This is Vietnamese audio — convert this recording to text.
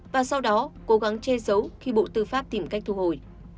và sau đó cố gắng chê dấu khi bộ tư pháp tìm cách thu hồi